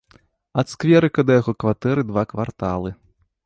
Ад скверыка да яго кватэры два кварталы.